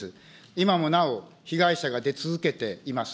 今もなお、被害者が出続けています。